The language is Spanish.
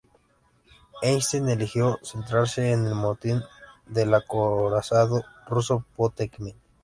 Eisenstein eligió centrarse en el motín del acorazado ruso Potemkin.